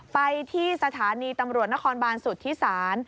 ไปที่สถานีตำรวจนครบานสุธิศาล